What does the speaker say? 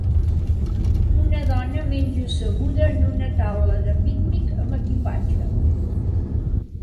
Una dona menja asseguda en una taula de pícnic amb equipatge.